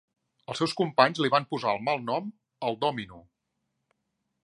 Els seus companys li van posar de malnom "el Dòmino".